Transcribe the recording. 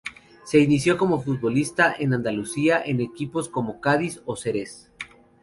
Se inició como futbolistas en Andalucía, en equipos como Cádiz o Xerez.